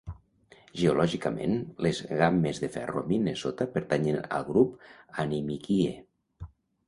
Geològicament, les gammes de ferro a Minnesota pertanyen al Grup Animikie.